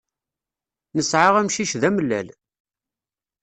Nesεa amcic d amellal.